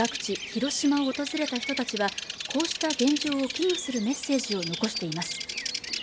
広島を訪れた人たちはこうした現状を危惧するメッセージを残しています